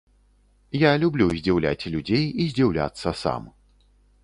Я люблю здзіўляць людзей і здзіўляцца сам.